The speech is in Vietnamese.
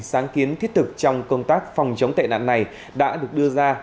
sáng kiến thiết thực trong công tác phòng chống tệ nạn này đã được đưa ra